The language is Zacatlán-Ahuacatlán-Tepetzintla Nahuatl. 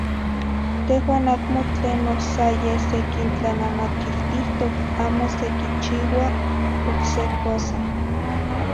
tehuan acmo tlenoh sa yeh sequintlanamaquiltihtoc, amo sequichiua oc se cosa.